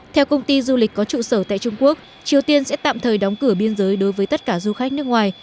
theo công ty du lịch có trụ sở tại trung quốc triều tiên sẽ tạm thời đóng cửa biên giới đối với tất cả du khách nước ngoài